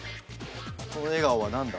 この笑顔は何だ？